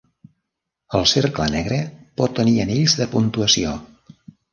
El cercle negre pot tenir anells de puntuació.